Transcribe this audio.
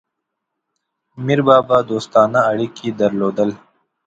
میربابا دوستانه اړیکي درلودل.